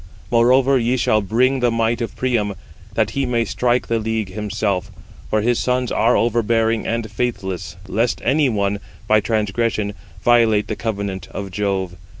Moreover ye shall bring the might of Priam, that he may strike the league himself, for his sons are overbearing and faithless; lest any one, by transgression, violate the covenant of Jove.